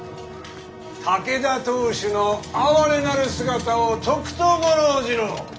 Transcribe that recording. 武田当主の哀れなる姿をとくと御覧じろう。